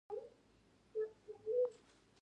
ایران د پلونو هیواد هم دی.